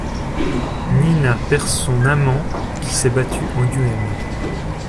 Nina perd son amant qui s’est battu en duel.